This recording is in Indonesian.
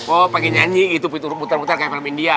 oh pake nyanyi gitu puter puter kayak film india